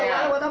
iya buat apa